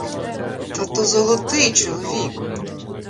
Та то золотий чоловік!